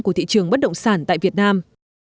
của thị trường bất động sản tại việt nam